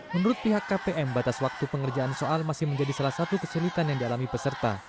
menurut pihak kpm batas waktu pengerjaan soal masih menjadi salah satu kesulitan yang dialami peserta